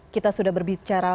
kita sudah berbicara